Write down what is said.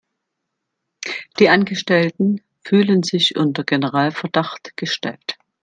Die Angestellten fühlen sich unter Generalverdacht gestellt.